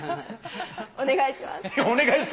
お願いします。